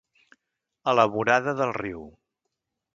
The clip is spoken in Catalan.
A la vorada del riu.